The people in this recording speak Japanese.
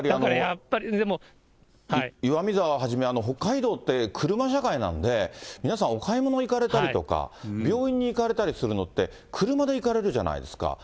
岩見沢をはじめ、北海道って車社会なんで、皆さん、お買い物に行かれたりとか、病院に行かれたりするのって、車で行かれるじゃないですか。